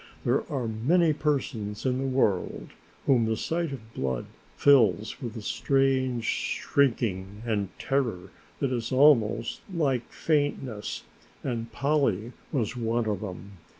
There are many persons in the world whom the sight of blood fills with a strange shrinking and terror that is almost like faintness, and Polly was one of them.